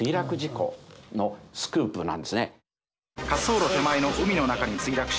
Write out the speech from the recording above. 「滑走路手前の海の中に墜落し」。